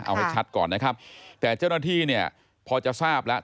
เอาให้ชัดก่อนนะครับแต่เจ้าหน้าที่เนี่ยพอจะทราบแล้ว